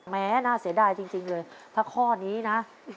แม่น่าเสียดายจริงเลยถ้าข้อนี้นะ